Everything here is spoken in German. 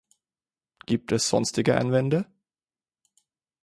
Gibt es sonstige Einwände?